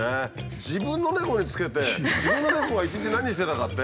自分の猫につけて自分の猫が一日何してたかって？